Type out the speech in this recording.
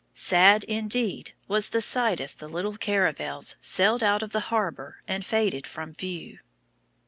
Sad indeed was the sight as the little caravels sailed out of the harbor and faded from view.